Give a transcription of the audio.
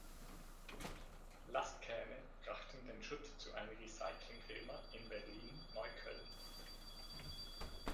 Lastkähne brachten den Schutt zu einer Recycling-Firma in Berlin-Neukölln.